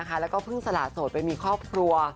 แล้วก็เพิ่งสละโสดไปมีครอบครัว